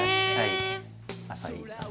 浅井さん